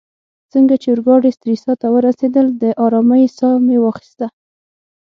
څنګه چي اورګاډې سټریسا ته ورسیدل، د آرامۍ ساه مې واخیسته.